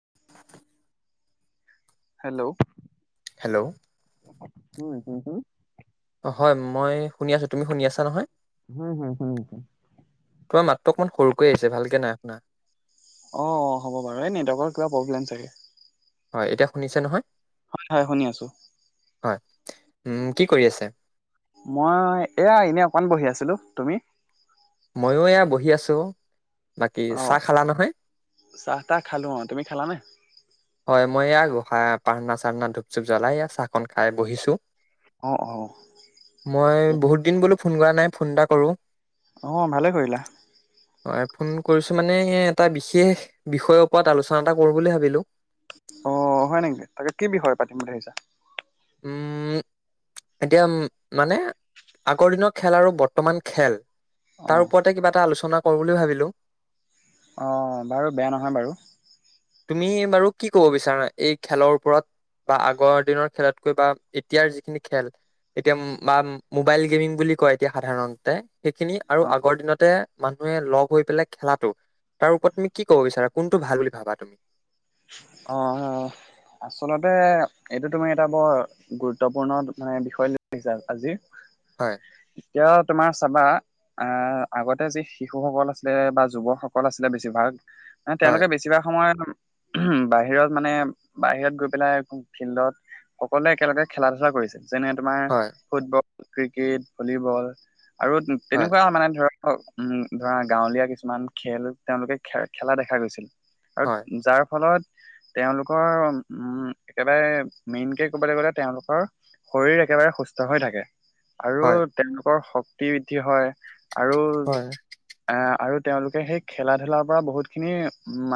[unintelligible] Hello hello উম শু শু অ হয় মই শুনি আছো তুমি শুনি আছা নহয় উম হুম হুম তোমাৰ মাতটো অকমান সৰুকৈ আহিছে ভালকে নাই শুনা অ অ হ'ব বাৰু এই নেটৱৰ্কৰ কিবা প্ৰব্লেম চাগে হয় এতিয়া শুনিছে নহয় হয় হয় শুনি আছো হয় উম কি কৰি আছে মই এয়া এনে অকমান বহি আছিলো তুমি ময়ো এয়া বহি আছোঁ বাকী অ চাহ খালা নহয় চাহ তাহ খালোঁ অঁ তুমি খালানে হয় মই এয়া গোঁসাই প্ৰাৰ্থনা চাৰ্থনা ধূপ চুপ জ্বলাই এয়া চাহকন খাই বহিছো অ অ মই বহুত দিন বোলো ফোন কৰা নাই ফোন এটা কৰো অঁ ভালে কৰিলা হয় ফোন কৰিছো মানে হে এটা বিশেষ বিষয়ৰ ওপৰত আলোচনা এটা কৰো বুলি ভাবিলো অ হয় নেকি তাকে কি বিষয়ে পাতিম বুলি ভাবিছা উম এতিয়া উম মানে আগৰ দিনৰ খেল আৰু বৰ্তমান খেল অ তাৰ ওপৰত কিবা এটা আলোচনা কৰো বুলি ভাবিলো অঁ বাৰু বেয়া নহয় বাৰু তুমি বাৰু কি ক'ব বিচাৰা এই খেলৰ ওপৰত বা আগৰ দিনৰ খেলতকৈ বা এতিয়াৰ যিখিনি খেল এতিয়া বা মোবাইল গেমিং বুলি কয় এতিয়া সাধাৰণতে সেইখিনি অ আৰু আগৰ দিনতে মানুহে লগ হৈ পেলাই খেলাটো তাৰ ওপৰত তুমি কি কব বিচাৰা কোনটো ভাল বুলি ভাবা তুমি অ অ আচলতে এইটো তুমি এটা বৰ গুৰুত্বপূৰ্ণ মানে বিষয় লৈ আহিছা আজি হয় এতিয়াও তোমাৰ চাবা আ আগতে যি শিশুসকল আছে বা যুৱকসকল আছিলে বেছিভাগ হয় তেওঁলোকে বেছিভাগ সময় বাহিৰত মানে বাহিৰত গৈ পেলাই ফিল্ডত সকলোৱে একেলগে খেলা ধূলা কৰিছিল যেনে তোমাৰ হয় ফুটবল ক্ৰিকেট ভলীবল আৰু হয় তেনেকুৱা মানে ধৰা অ উম ধৰা গাঁৱলীয়া কিছুমান খেল তেওঁলোকে খে খেলা দেখা গৈছিল আৰু হয় যাৰ ফলত তেওঁলোকৰ উম একেবাৰে মেইনকে ক'বলে গ'লে তেওঁলোকৰ শৰীৰ একেবাৰে সুস্থ হৈ থাকে আৰু হয় তেওঁলোকৰ শক্তি বৃদ্ধি হয় আৰু হয় আ আৰু তেওঁলোকে সেই খেলা ধূলাৰ পৰা বহুতখিনি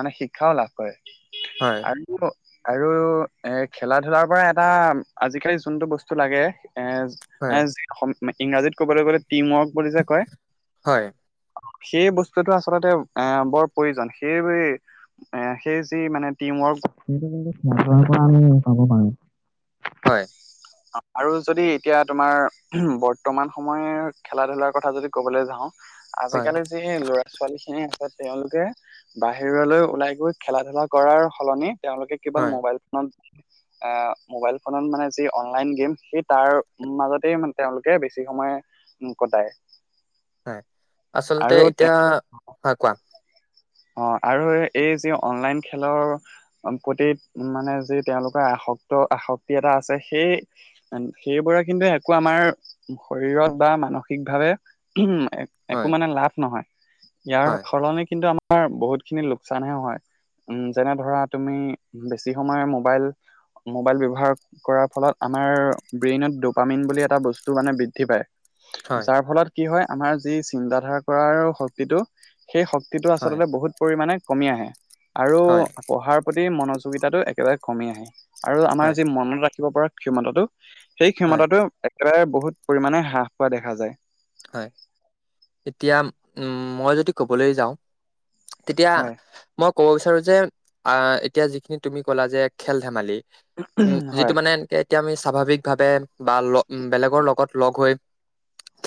মানে শিক্ষাও লাভ কৰে হয় আৰু আৰু এ খেলা ধূলাৰ পৰা এটা আজিকালি যোনটো বস্তু লাগে এ হয় ইংৰাজীত ক'বলে গ'লে টিম ৱৰ্ক বুলি যে কয় হয় সেই বস্তুটো আচলতে এ বৰ প্ৰয়োজন সেই এ সেই যি মানে টিম ৱৰ্ক পৰা আমি পাব পাৰোঁ হয়। আৰু যদি এতিয়া তোমাৰ বৰ্তমান সময়ৰ খেলা ধূলাৰ কথা যদি কবলৈ যাওঁ, হয় আজিকালি যি হেই ল'ৰা ছোৱালী খিনি আছে তেওঁলোকে বাহিৰলৈ, ওলাই গৈ খেলা ধুলা কৰাৰ সলনি তেওঁলোকে কেৱল হয় মোবাইল ফোনত, আহ মোবাইল ফোনত মানে, যি অনলাইন গেম, সেই তাৰ মাজতেই মানে তেওঁলোকে বেছি সময়, [unintelligible] কটায়। হয়, আচলতে আৰু এতিয়া। হয় কোৱা? অ আৰু এই যি অনলাইন খেলৰ। প্ৰতি মানে যি তেওঁলোকৰ আসক্ত আসক্তি এটা আছে, সেই সেইবোৰে কিন্তু একো আমাৰ শৰীৰত বা মানসিক ভাৱে উম, একো হয় মানে লাভ নহয়। ইয়াৰ হয় সলনি কিন্তু আমাৰ, তোমাৰ বহুত খিনি লোকচানহে হয়। উম যেনে ধৰা তুমি বেছি সময় মোবাইল মোবাইল ব্যৱহাৰ কৰাৰ ফলত আমাৰ ব্ৰেইনত ডোপামিন বুলি এটা বস্তু মানে বৃদ্ধি পায়। হয় যাৰ ফলত কি হয় আমাৰ যি চিন্তাধাৰা কৰাৰ শক্তিটো, সেই শক্তিটো হয় হয় আচলতে বহুত পৰিমাণে কমি আহে আৰু, হয় পঢ়াৰ প্ৰতি মনোযোগিতাটো একেবাৰে কমি আহে আৰু আমাৰ যি মনত ৰাখিব পৰা, ক্ষমতাটো সেই হয় ক্ষমতাটো একেবাৰে বহুত পৰিমাণে হ্ৰাস পোৱা দেখা যায়। হয় এতিয়া উম মই যদি কবলৈ যাওঁ। তেতিয়া হয় মই ক'ব বিচাৰো যে, আহ এতিয়া যিখিনি তুমি ক'লা যে খেল ধেমালি, উম হয় যিটো মানে এনেকে এতিয়া আমি স্বাভাৱিকভাৱে, বা বেলেগৰ লগত লগ হৈ,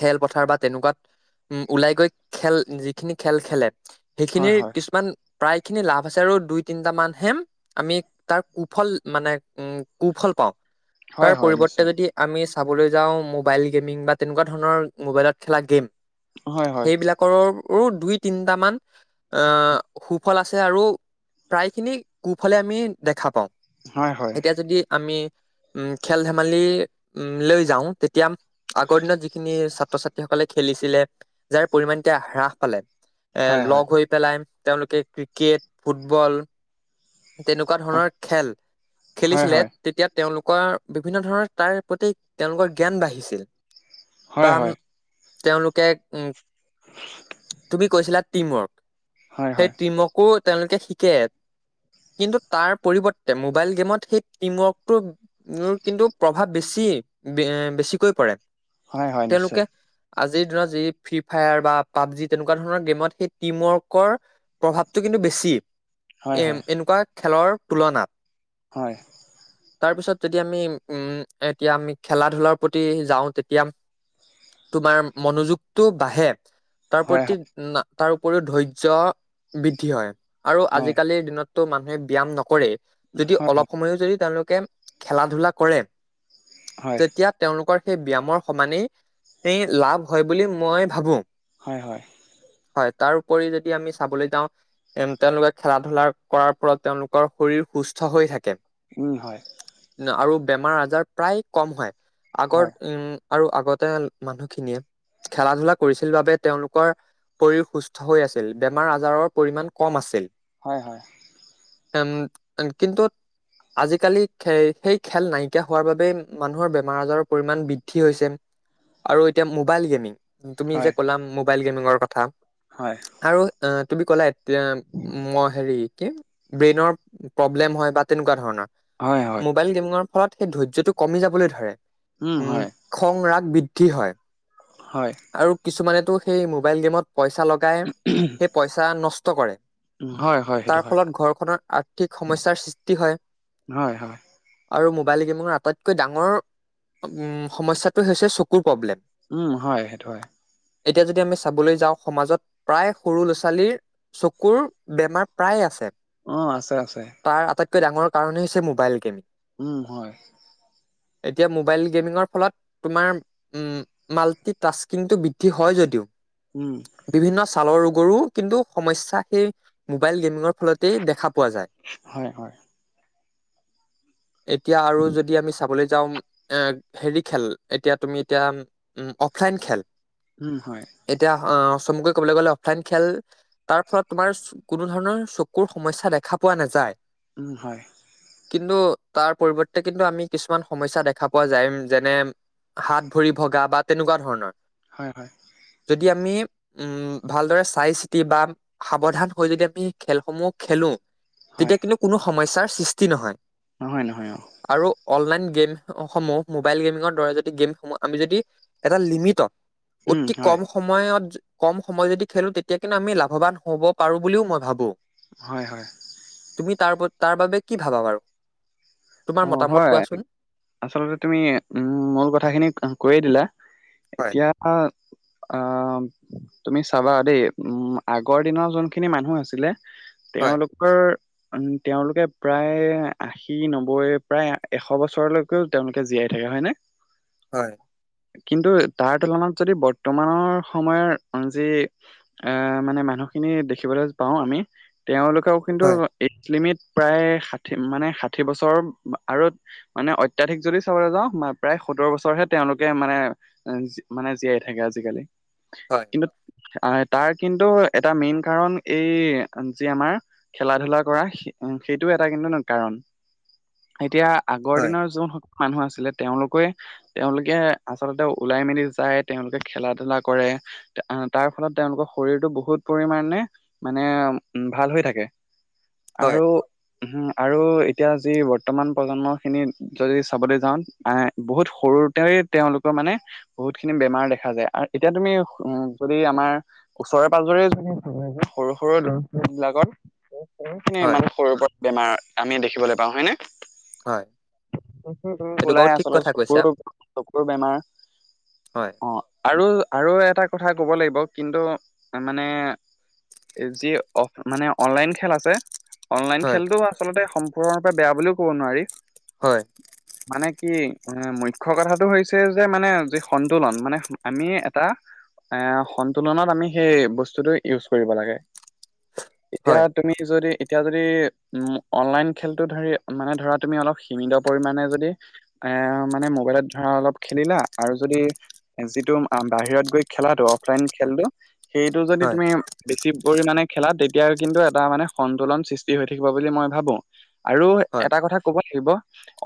খেল পথাৰ বা তেনেকুৱাত, উম উ ওলাই গৈ খেল যিখিনি খেল খেলে। হয় সেইখিনিৰ হয় কিছুমান প্ৰায়খিনি লাভ আছে আৰু দুই তিনিটা মান হে আমি তাৰ কুফল মানে, উম কুফল পাওঁ। হয় তাৰ হয় পৰিৱৰ্তে নিশ্চয় যদি আমি চাবলৈ যাওঁ মোবাইল গেমিং বা তেনেকুৱা ধৰণৰ, মোবাইলত খেলা গেম। হয় হয় সেইবিলাকৰৰো দুই তিনটামান, আহ সুফল আছে আৰু প্ৰায় খিনি কুফলে আমি দেখা পাওঁ। হয় হয় এতিয়া যদি আমি, উম খেল ধেমালি উম লৈ যাওঁ। তেতিয়া আগৰ দিনত যিখিনি ছাত ছাত্ৰ ছাত্ৰীসকলে খেলিছিলে যাৰ পৰিমাণ এতিয়া হ্ৰাস পালে। এ হয় লগ হয় হৈ পেলাই তেওঁলোকে ক্ৰিকেট, ফুটবল তেনেকুৱা ধৰণৰ খেল হয় হয় খেলিছিলে। হয় তেতিয়া তেওঁলোকৰ বিভিন্ন ধৰণৰ তাৰ প্ৰতি তেওঁলোকৰ জ্ঞান বাঢ়িছিল। হয় পাম, তেওঁলোকে উ তুমি কৈছিলা টিমৱৰ্ক। হয় সেই হয় টিম ৱৰ্ক। অও তেওঁলোকে শিকে, কিন্তু, তাৰ পৰিৱৰ্তে মোবাইল গেমত সেই টিম ৱৰ্কটো। তেওঁ কিন্তু প্ৰভাৱ বেছি, অ বেছিকৈ পৰে, হয় হয় তেওঁলোকে নিশ্চয়। আজিৰ দিনত যি ফ্ৰী ফায়াৰ বা পাবজি তেনেকুৱা ধৰণৰ গেমত, সেই টিম ৱৰ্ক প্ৰভাৱটো কিন্তু বেছি। হয় এ হয় এনেকুৱা খেলৰ তুলনাত, হয়। তাৰ পিছত যেতিয়া আমি উম এতিয়া আমি খেলা ধূলাৰ প্ৰতি যাওঁ তেতিয়া। তোমাৰ মনোযোগটো বাঢ়ে তাৰ হয় হয় প্ৰতি। তাৰ উপৰিও ধৈৰ্য্য বৃদ্ধি হয়, আৰু হয় আজিকালিৰ দিনত। টো মানুহে ব্যাম নকৰে, যদি অলপ সময়ো যদি তেওঁলোকে খেলা ধূলা কৰে। হয় হয় তেতিয়া তেওঁলোকৰ সেই ব্যামৰ সমানেই সেই লাভ হয় বুলি মই ভাবো। হয়, হয়। হয়, তাৰ উপৰি যদি আমি চাবলৈ যাওঁ। তেন তে‌ওলোকে খেলা ধূলা কৰাৰ ফলত তেওঁলোকৰ শৰীৰ সুস্থ হৈ থাকে। উম হয়। না আৰু বেমাৰ আজাৰ প্ৰায় কম হয়। আগৰ হয় উম আৰু আগতে মানুহখিনিয়ে খেলা ধূলা কৰিছিল বাবে তেওঁলোকৰ শৰীৰ সুস্থ হৈ আছিল, বেমাৰ আজাৰৰ পৰিমাণ কম আছিল। হয়, হয়। তেনে যেন কিন্তু আজিকালি খেই সেই খেল নাইকিয়া হোৱাৰ বাবেই মানুহৰ বেমাৰ আজাৰৰ পৰিমান বৃদ্ধি হৈছে। আৰু এতিয়া মোবাইল গেমিং, তুমি যে হয় ক'লা মোবাইল গেমিঙৰ কথা। হয়। আৰু আঁ তুমি ক'লা এতিয়া মই হেৰি কি ব্ৰেইনৰ প্ৰব্লেম হয় বা তেনুকৱা ধৰণৰ। হয় হয়। মোবাইল গেমিঙৰ ফলত সেই ধৈৰ্য্যটো কমি যাবলৈ ধৰে। উম হয়। খং - ৰাগ বৃদ্ধি হয়। হয়। আৰু কিছুমানেতো সেই মোবাইল গেমত পইচা লগাই, সেই পইচা নষ্ট কৰে। উম হয় হয় তাৰ সেইটো হয় ফলত ঘৰখনত আৰ্থিক সমস্যাৰ সৃষ্টি হয়। হয় হয় আৰু মোবাইল গেমিঙৰ আটাইতকৈ ডাঙৰ উম সমস্যাটোৱে হৈছে চকুৰ প্ৰব্লেম। উম হয়, সেইটো হয়। এতিয়া যেতিয়া আমি চাবলৈ যাওঁ সমাজত প্ৰায় সৰু ল'ৰা ছোৱালীৰ চকুৰ বেমাৰ প্ৰায় আছে। অঁ আছে আছে। তাৰ আটাইতকৈ ডাঙৰ কাৰণেই হৈছে, মোবাইল গেম। উম হয়। এতিয়া মোবাইল গেমিঙৰ ফলত, তোমাৰ উম মাল্টি টাস্কিঙটো বৃদ্ধি হয় যদিও উম বিভিন্ন ছালৰ ৰোগৰো কিন্তু সমস্যা সেই মোবাইল গেমিঙৰ ফলতেই দেখা পোৱা যায়। হয় হয়। [inaudible] এতিয়া আৰু যদি আমি চাবলৈ যাওঁ এ হেৰি খেল, এতিয়া তুমি এতিয়া উম অফলাইন খেল। উম হয়। এতিয়া আঁ চমুকৈ ক'বলৈ গ'লে অফলাইন খেল তাৰ ফলত তোমাৰ, কোনো ধৰণৰ চকুৰ সমস্যা দেখা পোৱা নাযায়। উম হয়। কিন্তু তাৰ পৰিৱৰ্তে কিন্তু আমি কিছুমান সমস্যা দেখা পোৱা যায়, উম যেনে হাত, ভৰি ভগা বা তেনেকুৱা ধৰণৰ। হয় হয়। যদি আমি উম ভালদৰে চাই চিতি বা সাৱধান হৈ যদি আমি খেলসমূহ খেলো হয় তেতিয়া কিন্তু কোনো সমস্যাৰ সৃষ্টি নহয় নহয় নহয় অ আৰু অনলাইন গেম সমূহ মোবাইল গেমিঙৰ দৰে যদি গেমসমূহ আমি যদি এটা লিমিটত উম অতি হয় কম সময়ত কম সময় যদি খেলো তেতিয়া কিন্তু আমি লাভৱান হ'ব পাৰো বুলিও মই ভাবো হয় হয় তুমি তাৰ প তাৰ বাবে কি ভাবা বাৰু তোমাৰ অ মতামত হয় কোৱাচোন আচলতে তুমি উম মূল কথাখিনি কৈয়ে দিলা হয় এতিয়া আ তুমি চাবা দেই উম আগৰ দিনৰ যোনখিনি মানুহ আছিলে হয় তেওঁলোকৰ উ তেওঁলোকে প্ৰায় আশী নব্বৈ নব্বৈ প্ৰায় এশ বছৰলৈকেও তেওঁলোকে জীয়াই থাকে হয় নে হয় কিন্তু তাৰ তুলনাত যদি বৰ্তমানৰ সময়ৰ যি আহ মানে মানুহখিনি দেখিবলৈ পাওঁ আমি তেওঁলোকে টো কিন্তু হয় এট্ৰি লিমিট প্ৰায় ষাঠি মানে ষাঠি বছৰ আৰু মানে অত্যাধিক যদি চাবলৈ যাওঁ প্ৰায় সোতৰ বছৰহে তেওঁলোকে মানে যি মানে জীয়াই থাকে আজিকালি হয় কিন্তু আ তাৰ কিন্তু এটা মেইন কাৰণ এই যে আমাৰ খেলা ধুলা কৰা সেইটো এটা কিন্তু নো কাৰণ এতিয়া আগৰ হয় দিনৰ যোন মানুহ আছিলে তেওঁলোকে তেওঁলোকে আচলতে ওলাই মেলি যায় তেওঁলোকে খেলা ধূলা কৰে তাৰ ফলত তেওঁলোকৰ শৰীৰটো বহুত পৰিমাণে মানে ভাল হৈ থাকে হয় আৰু উম আৰু এতিয়া যি বৰ্তমান প্ৰজন্ম খিনি যদি চাবলৈ যাওঁ আহ বহুত সৰুতে তেওঁলোকৰ মানে বহুত খিনি বেমাৰ দেখা যায় আৰু এতিয়া তুমি উম যদি আমাৰ ওচৰে পাজৰে সৰু সৰু লৰা ছোৱালী বিলাকৰ সৰু খিনি হয় মানে সৰুৰ পৰা বেমাৰ আমি দেখিবলৈ পাওঁ হয়ে নে হয় [unintelligible] এইটো ওলাই বাৰু ঠিক আচলতে কথা কৈছা চকুৰ চকুৰ বেমাৰ হয় অ আৰু আৰু এটা কথা ক'ব লাগিব কিন্তু মানে যি অফ মানে অনলাইন খেল আছে অনলাইন হয় খেলটো আচলতে সম্পূৰ্ণৰূপে বেয়া বুলিও ক'ব নোৱাৰি হয় মানে কি মুখ্য কথাটো হৈছে যে মানে যি সন্তুলন মানে আমি এটা এ সন্তোলনত আমি সেই বস্তুটো ইউজ কৰিব লাগে এতিয়া হয় তুমি যদি এতিয়া যদি উম অনলাইন খেলটো ধৰি মানে ধৰা তুমি অলপ সীমিত পৰিমাণে যদি এ মানে মোবাইলত ধৰা অলপ খেলিলা আৰু যদি যিটো বাহিৰত গৈ খেলাটো অফলাইন খেলটো সেইটো যদি হয় তুমি বেছি পৰিমাণে খেলা তেতিয়া কিন্তু এটা মানে সন্তোলন সৃষ্টি হৈ থাকিব বুলি মই ভাবো আৰু হয় এটা কথা কব লাগিব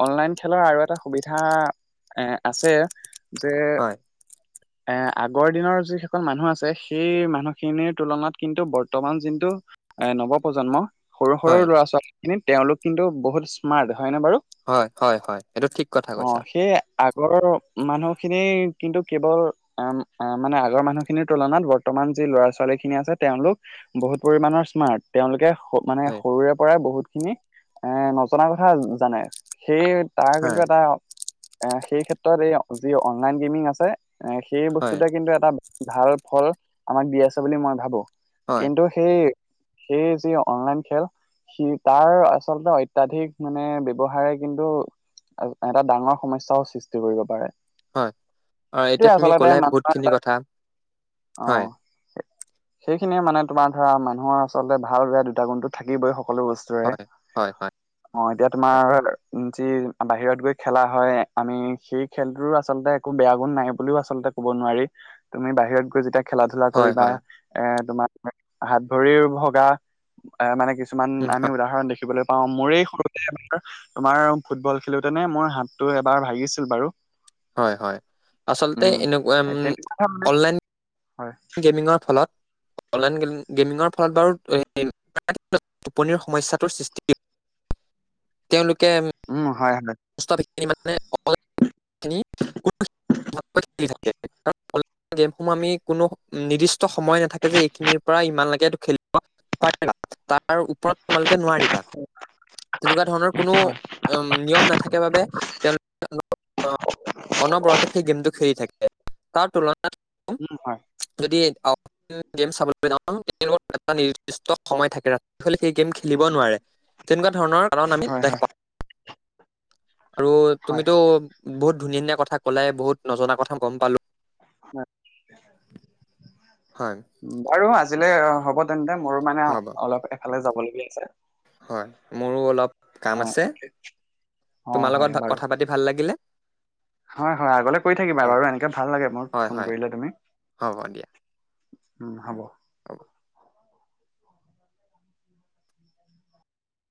অনলাইন খেলৰ আৰু এটা সুবিধা এ আছে যে [unintelligible] এ, আগৰ দিনৰ যিসকল মানুহ আছে সেই মানুহখিনিৰ তুলনাত কিন্তু বৰ্তমান যিনটো এ, নৱপ্ৰজন্ম। সৰু সৰু হয় ল'ৰা ছোৱালীখিনি তেওঁলোক কিন্তু বহুত স্মাৰ্ট হয়নে বাৰু? হয়, হয়, হয়, এইটো ঠিক কথা অ কৈছা। সেই আগৰ মানুহখিনি কিন্তু কেৱল আ, আ, মানে আগৰ মানুহখিনিৰ তুলনাত বৰ্তমান যি ল'ৰা ছোৱালীখিনি আছে তেওঁলোক বহুত পৰিমণৰ স্মাৰ্ট, তেওঁলোকে মানে হয় সৰুৰে পৰাই বহুতখিনি এ, নজনা কথা জানে সেই তাৰ কিন্তু হয় এটা এ, সেই ক্ষেত্ৰত এই যি অনলাইন গেমিং আছে এ, সেই হয় বস্তুতে কিন্তু এটা ভাল ফল আমাক দি আছে বুলি মই ভাবোঁ হয় কিন্তু সেই, সেই যি অনলাইন খেল সি তাৰ আচলতে অত্যাধিক মানে ব্যৱহাৰে কিন্তু এটা ডাঙৰ সমস্যাও সৃষ্টি কৰিব পাৰে। হয় অ টোৱে এতিয়া তুমি আচলতে ক'লাই বহুত মানুহৰ খিনি এটা, কথা অ'। হয় সেইখিনিয়ে মানে তোমাৰ ধৰা মানুহৰ আচলতে ভাল বেয়া দুটা গুণটো থাকিবই সকলো বছ তোৰে। হয় হয় অ' এতিয়া হয় তোমাৰ যি বাহিৰত গৈ খেলা হয় আমি সেই খেলটোৰো আচলতে একো বেয়া গুণ নাই বুলিও আচলতে ক'ব নোৱাৰি। তুমি বাহিৰত গৈ যেতিয়া খেলা ধূলা হয় কৰিবা। হয় এ, তোমাৰ হাত ভৰিৰ ভগা, এ, মানে কিছুমান উম আমি হয় উদাহৰণ দেখিবলৈ পাওঁ। মোৰেই সৰুতে [unintelligible] তোমাৰ ফুটবল খেলোতেনে মোৰ হাতটো এবাৰ ভাগিছিল বাৰু। হয় হয়। আচলতে উম এনেকুৱা তেনেকুৱা ধৰ মানে অনলাইন হয়। গেমিঙৰ ফলত, অনলাইন গেমিঙৰ ফলত বাৰু [unintelligible] টোপনিৰ সমস্যাটোৰ সৃষ্টি, তেওঁলোকে উম, হয় হয়। [unintelligible] [unintelligible] গেমসমূহ আমি কোনো নিৰ্দিষ্ট সময় নাথাকে যে এইখিনিৰ পৰা ইমান লৈকে এইটো খেলি [unintelligible] তাৰ ওপৰত তোমালোকে নোৱাৰিবা। তেনেকুৱা ধৰণৰ কোনো হয় উ, নিয়ম নাথাকে বাবে তেওঁলো [unintelligible] অনবৰতে সেই গেমটো খেলি থাকে, তাৰ তুলনাত হয় যদি [unintelligible] গেম চাবলৈ যাওঁ তেওঁলোকৰ এটা নিৰ্দিষ্ট সময় থাকে ৰাত [unintelligible] সেই গেম খেলিব নোৱাৰে, তেনেকুৱা ধৰণৰ কাৰন আমি হয় দেখা হয় পাওঁ। আৰু হয় তুমিতো বহুত ধুনীয়া নীয়া কথা ক'লাই, বহুত নজনা কথা গম পালোঁ। হয়। হয়। বাৰু আজিলৈ হ'ব তেন্তে, মোৰ মানে হ'ব অলপ এফালে যাবলগীয়া আছে। হয়, মোৰো অলপ কাম অ আছে। অ তোমাৰ হয় লগত বাৰু কথা পাতি ভাল লাগিলে। হয় হয় আগলে কৰি থাকিবা হয় বাৰু এনেকে ভাল লাগে মোক হয় ফোন হয় কৰিলে তুমি। হ'ব দিয়া উম, হ'ব। [inaudible]